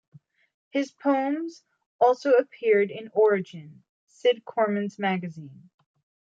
His poems also appeared in "Origin," Cid Corman's magazine.